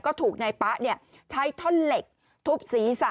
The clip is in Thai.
ก็ถูกนายป๊ะใช้ท่อนเหล็กทุบศีรษะ